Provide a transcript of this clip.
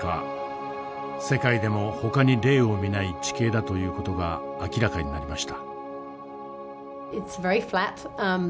世界でもほかに例を見ない地形だという事が明らかになりました。